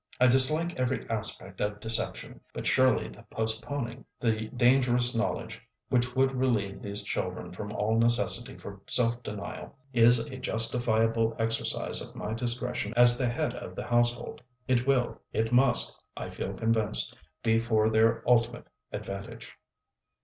I dislike every aspect of deception, but surely the postponing the dangerous knowledge, which would relieve these children from all necessity for self denial, is a justifiable exercise of my discretion as the head of the household. It will, it must, I feel convinced, be for their ultimate advantage."